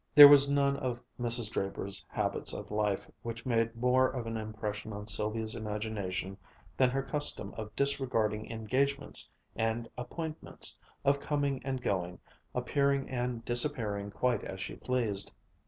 There was none of Mrs. Draper's habits of life which made more of an impression on Sylvia's imagination than her custom of disregarding engagements and appointments, of coming and going, appearing and disappearing quite as she pleased.